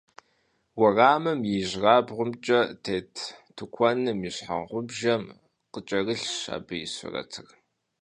Уэрамым и ижьрабгъумкӀэ тет тыкуэным и щхьэгъубжэм къыкӀэрылъщ абы и сурэтыр.